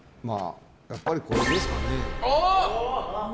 やっぱりこれですかね。